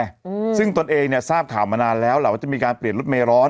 อืมซึ่งตัวเองเนี่ยทราบถามมานานแล้วเราจะมีการเปลี่ยนรถเมย์ร้อน